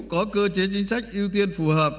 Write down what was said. có cơ chế chính sách ưu tiên phù hợp